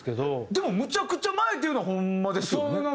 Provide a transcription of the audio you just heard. でもむちゃくちゃ前っていうのはホンマですよね？